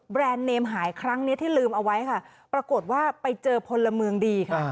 เนมหายครั้งนี้ที่ลืมเอาไว้ค่ะปรากฏว่าไปเจอพลเมืองดีค่ะ